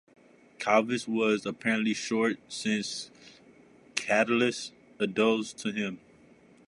Calvus was apparently short, since Catullus alludes to him as "salaputium disertum".